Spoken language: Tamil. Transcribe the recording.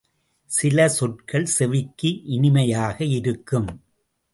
சில சொற்கள் செவிக்கு இனிமையாக இருக்கும்.